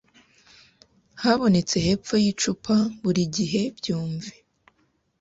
Habonetse hepfo y'icupa burigihe byumve